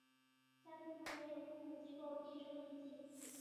家庭成员有父母及胞弟郑民基。